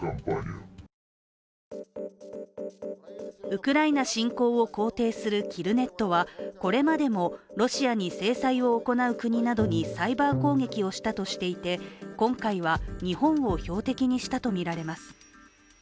ウクライナ侵攻を肯定するキルネットはこれまでもロシアに制裁を行う国などにサイバー攻撃をしたとしていて、今回は、日本を標的にしたとみられます。